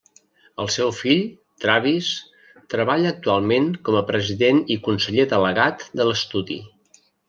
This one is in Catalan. El seu fill, Travis, treballa actualment com a president i conseller delegat de l'estudi.